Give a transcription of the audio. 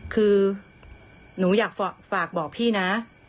คือหนูอยากฝากบอกพี่นะ